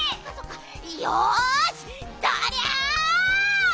よしどりゃ！